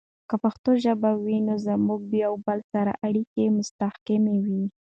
که پښتو ژبه وي، نو زموږ د یوه بل سره اړیکې مستحکم وي.